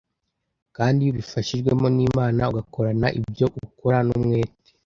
Kandi iyo ubifashijwemo n’Imana, ugakorana ibyo ukora n’umwete,